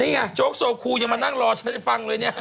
นี่ไงโจ๊กโซคูยังมานั่งรอฉันฟังเลยเนี่ย